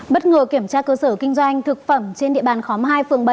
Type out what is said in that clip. bất ngờ kiểm tra cơ sở kinh doanh thực phẩm trên địa bàn khóm hai phường bảy